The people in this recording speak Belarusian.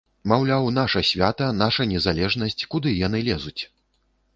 Маўляў, наша свята, наша незалежнасць, куды яны лезуць?